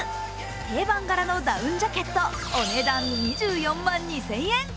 定番柄のダウンジャケット、お値段２４万２０００円。